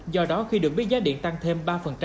do đó khi được biết giá điện tăng thêm ba